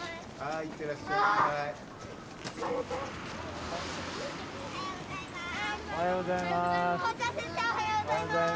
校長先生おはようございます！